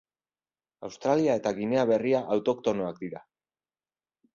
Australia eta Ginea Berria autoktonoak dira.